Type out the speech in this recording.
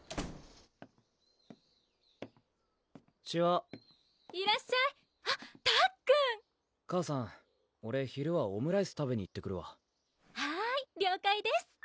ちはいらっしゃいあったっくん母さんオレ昼はオムライス食べに行ってくるわはい了解です